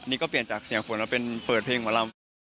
นี่ก็เปลี่ยนจากเสียงฝนมาเป็นเปิดเพลงหมอลำ